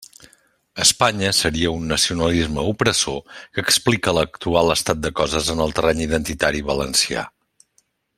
Espanya seria un nacionalisme opressor que explica l'actual estat de coses en el terreny identitari valencià.